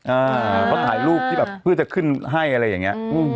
อ่าเขาถ่ายรูปที่แบบเพื่อจะขึ้นให้อะไรอย่างเงี้ยอืม